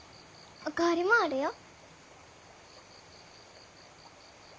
お代わりもあるよ。